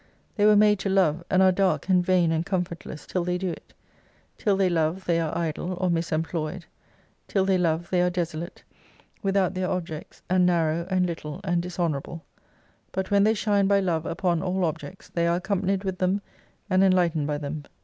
They were made to love, and are dark and vain and com fortless till they do it. TiU they love they are idle or mis employed. Till they love they are desolate ; with out their objects, and narrow and httle, and dishonour able : but when they shine by Love upon all objects, they are accompanied with them and enlightened by them.